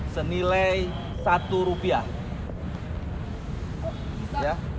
senilai satu rupiah